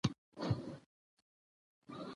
ماشومان د ښو مثالونو له لارې ښه عادتونه زده کوي